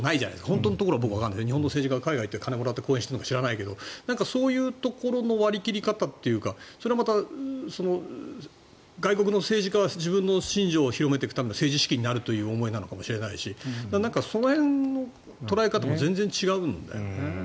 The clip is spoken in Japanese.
本当のところはわからない日本の政治家が海外に行って金をもらって講演しているのか知らないけどそういうところの割り切り方というかそれはまた外国の政治家は自分の信条を広めていくための政治資金になるという思いなのかもしれないしその辺の捉え方も全然違うんだよね。